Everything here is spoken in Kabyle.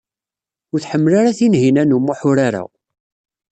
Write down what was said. Ur tḥemmel ara Tinhinan u Muḥ urar-a.